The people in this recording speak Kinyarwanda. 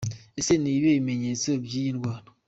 Ese ni ibihe bimenyetso by'iyi ndwara?.